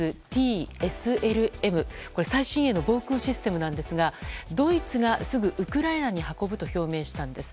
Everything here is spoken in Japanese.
これ、最新鋭の防空システムなんですがドイツがすぐウクライナに運ぶに表明したんです。